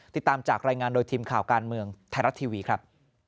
ติดตามจากรายงานโดยทีมข่าวการเมืองไทยรัฐทีวีครับ